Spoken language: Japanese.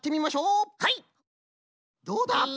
どうだ？